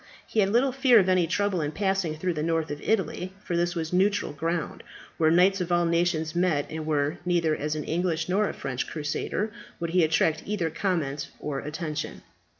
He had little fear of any trouble in passing through the north of Italy, for this was neutral ground, where knights of all nations met, and where, neither as an English nor a French crusader would he attract either comment or attention.